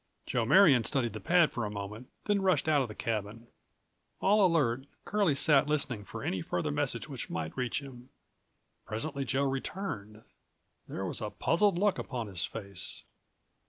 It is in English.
Joe Marion studied the pad for a moment, then rushed out of the cabin. All alert, Curlie sat listening for any further message which might reach him. Presently Joe192 returned. There was a puzzled look upon his face.